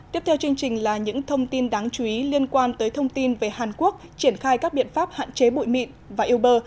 tiếp theo chương trình là những thông tin đáng chú ý liên quan tới thông tin về hàn quốc triển khai các biện pháp hạn chế bụi mịn và yêu bơ